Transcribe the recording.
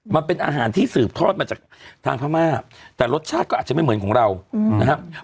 มันเป็นอาหารที่สืบทอดมาจากทางพม่าแต่รสชาติก็อาจจะไม่เหมือนของเรานะครับ